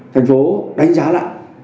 thành phố đánh giá lại